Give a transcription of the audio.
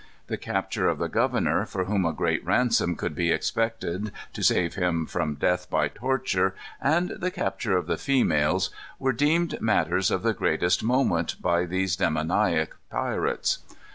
The capture of the governor, for whom a great ransom could be expected to save him from death by torture, and the capture of the females, were deemed matters of the greatest moment by these demoniac pirates.